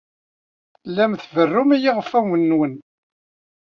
Tellam tberrum i yiɣfawen-nwen.